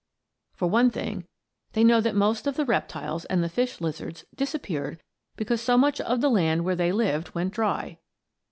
For one thing, they know that most of the reptiles and the fish lizards disappeared because so much of the land where they lived went dry.